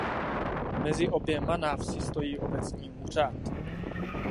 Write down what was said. Mezi oběma návsi stojí obecní úřad.